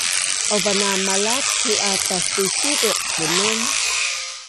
Aupa na malatpu’ a tastusiduq bunun